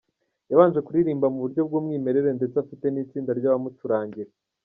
Yabanje kuririmba mu buryo bw’umwimerere ndetse afite n’itsinda ry’abamucurangira.